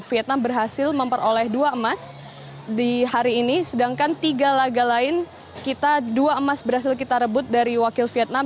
vietnam berhasil memperoleh dua emas di hari ini sedangkan tiga laga lain kita dua emas berhasil kita rebut dari wakil vietnam